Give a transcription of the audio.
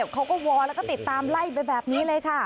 เขาก็วอนแล้วก็ติดตามไล่ไปแบบนี้เลยค่ะ